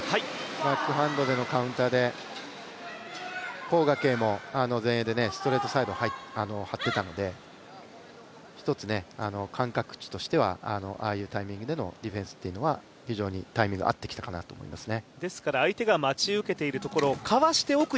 バックハンドでのカウンターで黄雅瓊も前衛でストレートサイドをはっていたので、１つね間隔値としては、ああいうタイミングでのディフェンスというのは非常にタイミング合ってきたかなと思いますね。